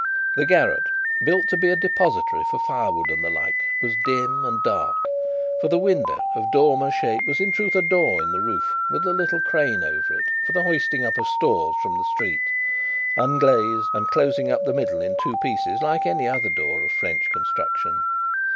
The garret, built to be a depository for firewood and the like, was dim and dark: for, the window of dormer shape, was in truth a door in the roof, with a little crane over it for the hoisting up of stores from the street: unglazed, and closing up the middle in two pieces, like any other door of French construction.